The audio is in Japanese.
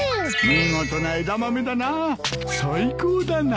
見事な枝豆だな。